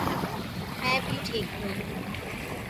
میں بھی ٹھیک ہوں